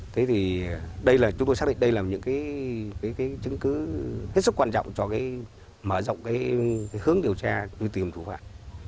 thế thì đây là chúng tôi xác định đây là những cái chứng cứ hết sức quan trọng cho cái mở rộng cái hướng điều tra truy tìm thủ phạm